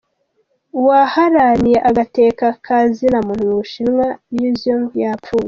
Uwaharaniye agateka ka zina muntu mu Bushinwa, Liu Xiaobo, yapfuye.